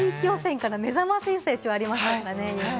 地域予選から目覚ましい成長がありましたね。